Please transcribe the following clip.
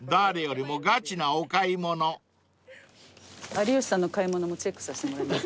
有吉さんの買い物もチェックさせてもらいます。